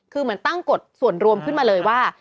คือเหมือนตั้งกฎส่วนรวมขึ้นมาเลยว่า